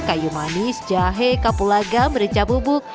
kayu manis jahe kapulaga merica bubuk